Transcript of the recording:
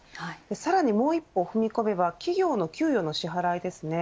さらにもう一歩踏み込めば企業の給与の支払いです。